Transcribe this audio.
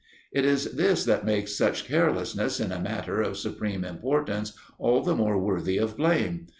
It is this that makes such carelessness in a matter of supreme importance all the more worthy of blame.